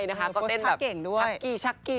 ใช่นะคะก็เต้นแบบ